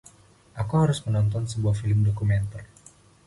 Aku harus menonton sebuah film dokumenter.